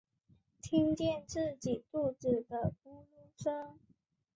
听见自己肚子的咕噜声